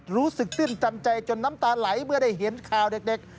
ตื้นตันใจจนน้ำตาไหลเมื่อได้เห็นข่าวเด็ก